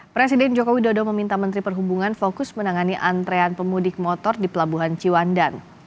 presiden joko widodo meminta menteri perhubungan fokus menangani antrean pemudik motor di pelabuhan ciwandan